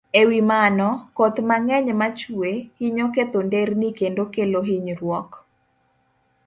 E wi mano, koth mang'eny ma chue, hinyo ketho nderni kendo kelo hinyruok.